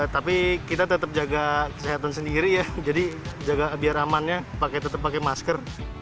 tapi kita tetap jaga kesehatan sendiri ya jadi biar amannya tetap pakai masker